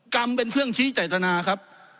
กรรมเป็นเครื่องชี้เจตนาครับ